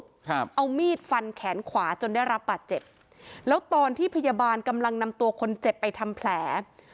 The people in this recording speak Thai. ครับเอามีดฟันแขนขวาจนได้รับบาดเจ็บแล้วตอนที่พยาบาลกำลังนำตัวคนเจ็บไปทำแผล